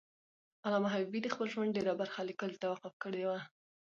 علامه حبیبي د خپل ژوند ډېره برخه لیکلو ته وقف کړی ده.